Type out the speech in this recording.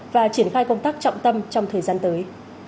và triển khai công tác trọng tâm trong thời gian tới